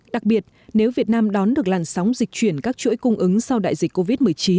đặc biệt nếu việt nam đón được làn sóng dịch chuyển các chuỗi cung ứng sau đại dịch covid một mươi chín